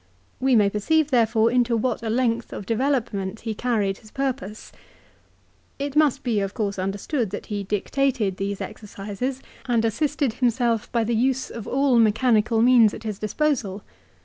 We may perceive therefore into what a length of development he carried his purpose ! It must be of course understood that he dictated these exercises and assisted himself by the use of all 342 LIFE OF CICERO. mechanical means at his disposal.